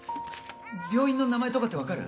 病院の名前とかって分かる？